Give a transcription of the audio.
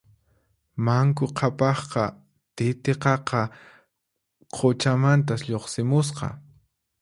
Manku Qhapaqqa Titiqaqa quchamantas lluqsimusqa